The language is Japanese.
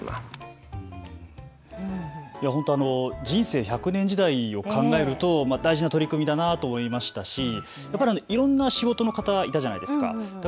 人生１００年時代を考えると大事な取り組みだと思いましたしいろんな仕事の方、いたじゃないですか。